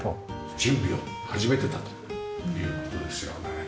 準備を始めてたという事ですよね。